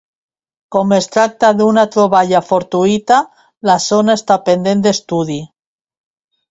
Com que es tracta d'una troballa fortuïta, la zona està pendent d'estudi.